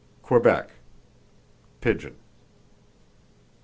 Quebec: Pigeon.